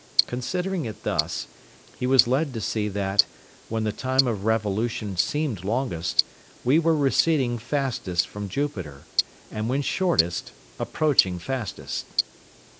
Considering it thus, he was led to see that, when the time of revolution seemed longest, we were receding fastest from Jupiter, and when shortest, approaching fastest.